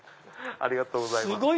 ありがとうございます。